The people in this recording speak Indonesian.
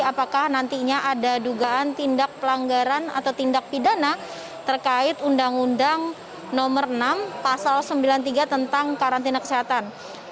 apakah nantinya ada dugaan tindak pelanggaran atau tindak pidana terkait undang undang nomor enam pasal sembilan puluh tiga tentang karantina kesehatan